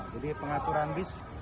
jadi pengaturan bis